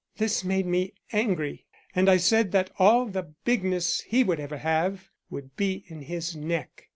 This made me angry, and I said that all the bigness he would ever have would be in his neck.